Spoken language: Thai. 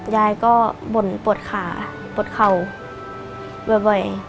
ยายก็บ่นปวดขาปวดเข่าบ่อย